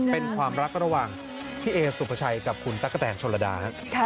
เป็นความรักระหว่างพี่เอสุภาชัยกับคุณตั๊กกะแตนชนระดาครับ